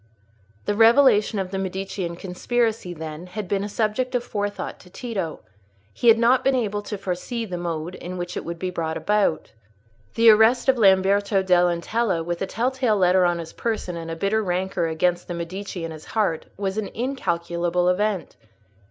The revelation of the Medicean conspiracy, then, had been a subject of forethought to Tito; but he had not been able to foresee the mode in which it would be brought about. The arrest of Lamberto dell' Antella with a tell tale letter on his person, and a bitter rancour against the Medici in his heart, was an incalculable event.